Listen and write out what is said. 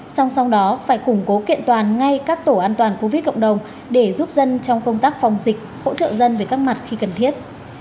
song song đó phải củng cố kiện toàn ngay các tổ an toàn covid cộng đồng để giúp dân trong công tác phòng dịch hỗ trợ dân về các mặt khi cần thiết